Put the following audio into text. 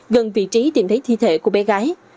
gần vị trí tìm thấy thi thể của bé gái